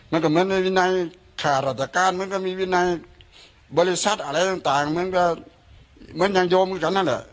มันก็เหมือนกับวินัยขาหรัฐกาลเหมือนกับวินัยบริษัทอะไรต่างเหมือนกับเหมือนยังโยมเหมือนกันนั่นแหละ